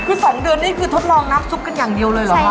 คือ๒เดือนนี่คือทดลองน้ำซุปกันอย่างเดียวเลยเหรอ